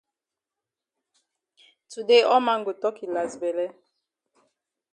Today all man go tok yi las bele